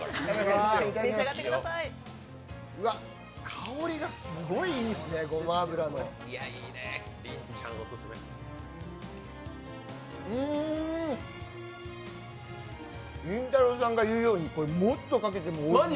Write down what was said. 香りがすごくいいですね、ごま油のうーん、りんたろーさんが言うようにもっとかけてもおいしい。